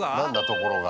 ところが。